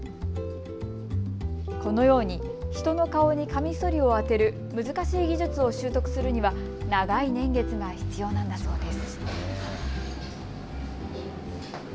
このように人の顔にカミソリを当てる難しい技術を習得するには長い年月が必要なんだそうです。